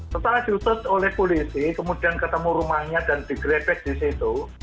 setelah diutus oleh polisi kemudian ketemu rumahnya dan digrebek di situ